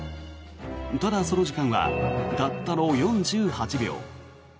ただその時間はたったの４８秒。